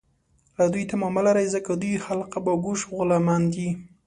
له دوی تمه مه لرئ ، ځکه دوی حلقه باګوش غلامان دي